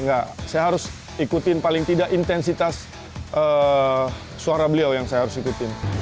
enggak saya harus ikutin paling tidak intensitas suara beliau yang saya harus ikutin